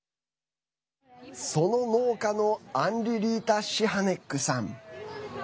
その農家のアンリリータ・シハネックさん。